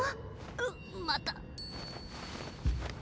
うっまた。